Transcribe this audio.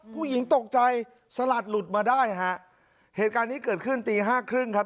ผู้หญิงตกใจสลัดหลุดมาได้ฮะเหตุการณ์นี้เกิดขึ้นตีห้าครึ่งครับ